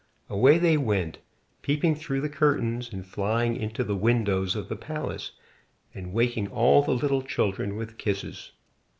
Away they went, peeping through the curtains, and flying into the windows of the palace and waking all the little children with kisses.